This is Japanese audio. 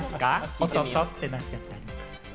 おっとっとってなっちゃったりとか。